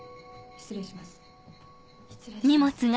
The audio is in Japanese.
失礼します。